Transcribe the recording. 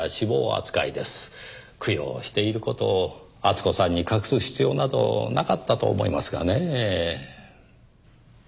供養している事を厚子さんに隠す必要などなかったと思いますがねぇ。